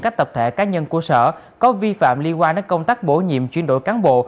các tập thể cá nhân của sở có vi phạm liên quan đến công tác bổ nhiệm chuyên đổi cán bộ